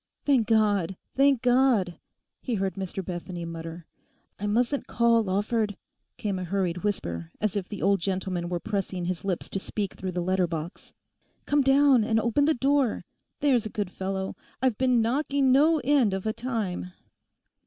'Thank God, thank God!' he heard Mr Bethany mutter. 'I mustn't call, Lawford,' came a hurried whisper as if the old gentleman were pressing his lips to speak through the letter box. 'Come down and open the door; there's a good fellow! I've been knocking no end of a time.